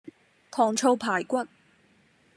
糖醋排骨